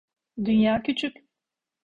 Dünya küçük.